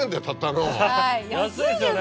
安いですよね。